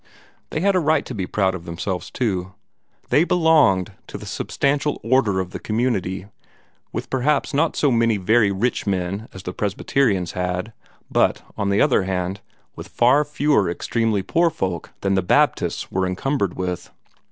They had a right to be proud of themselves, too. They belonged to the substantial order of the community, with perhaps not so many very rich men as the Presbyterians had, but on the other hand with far fewer extremely poor folk than the Baptists were encumbered with.